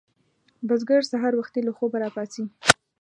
بزګر سهار وختي له خوبه راپاڅي